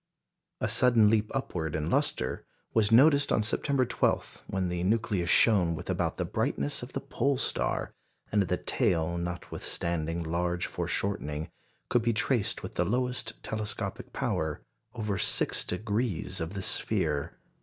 A sudden leap upward in lustre was noticed on September 12, when the nucleus shone with about the brightness of the pole star, and the tail, notwithstanding large foreshortening, could be traced with the lowest telescopic power over six degrees of the sphere.